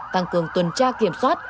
tăng cường tuần tra kiểm soát